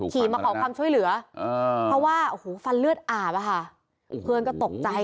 ขี่มาขอความช่วยเหลือเพราะว่าฟันเลือดอ่าปคุณก็ตกใจ